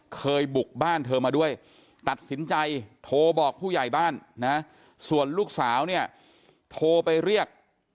เคยบุกบ้านเธอมาด้วยตัดสินใจโทรบอกผู้ใหญ่บ้านนะส่วนลูกสาวเนี่ยโทรไปเรียก